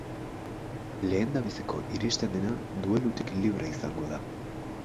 Lehendabiziko iristen dena duelutik libre izango da.